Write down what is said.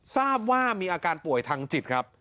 ทราบว่ามีอาการป่วยทางจิตครับ